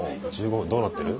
どうなってる？